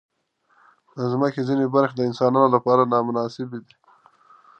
د مځکې ځینې برخې د انسانانو لپاره نامناسبې دي.